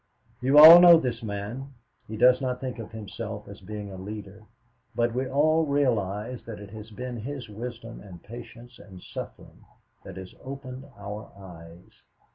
You all know this man. He does not think of himself as being a leader; but we all realize that it has been his wisdom and patience and suffering that has opened our eyes.